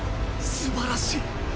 すばらしい。